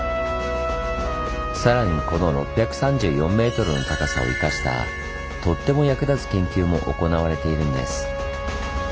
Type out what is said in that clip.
更にこの６３４ｍの高さを生かしたとっても役立つ研究も行われているんです。